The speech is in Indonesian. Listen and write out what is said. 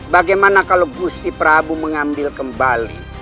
bagaimana kalau gusti prabu mengambil kembali